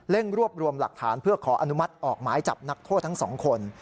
รวบรวมหลักฐานเพื่อขออนุมัติออกหมายจับนักโทษทั้งสองคน